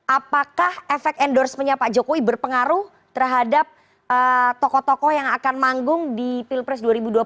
apakah efek endorsementnya pak jokowi berpengaruh terhadap tokoh tokoh yang akan manggung di pilpres dua ribu dua puluh empat